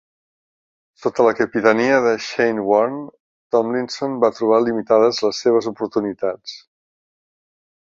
Sota la capitania de Shane Warne, Tomlinson va trobar limitades les seves oportunitats.